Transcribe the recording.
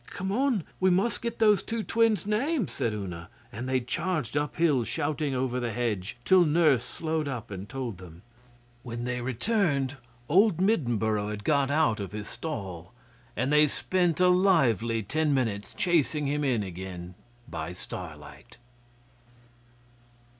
'Come on! We must get those two twins' names,' said Una, and they charged uphill shouting over the hedge, till Nurse slowed up and told them. When they returned, old Middenboro had got out of his stall, and they spent a lively ten minutes chasing him in again by starlight.